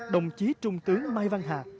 đồng chí trung tướng mai văn hà